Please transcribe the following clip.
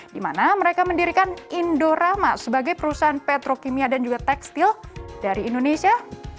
dimana mereka mendirikan indorama sebagai perusahaan petrokinia dan juga tekstil dari indonesia